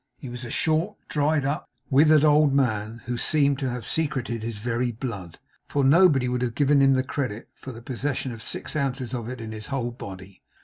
He was a short, dried up, withered old man, who seemed to have secreted his very blood; for nobody would have given him credit for the possession of six ounces of it in his whole body.